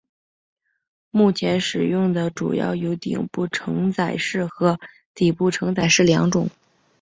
目前使用的主要有顶部承载式和底部承载式两种。